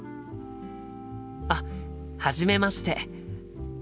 あっはじめまして。